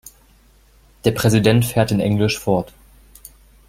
Der Präsident fährt in Englisch fort.